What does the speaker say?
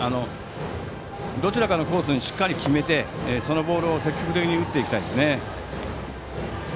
どちらかのコースにしっかりと決めてそのボールを積極的に打っていきたいですね。